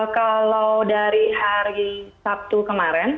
kalau dari hari sabtu kemarin